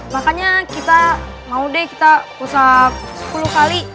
makanya kita mau deh kita push up sepuluh kali